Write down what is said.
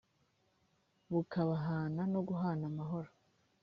kubahana no guhana amahoro